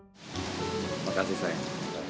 terima kasih sayang